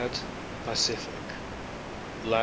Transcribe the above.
Pacific ; lat.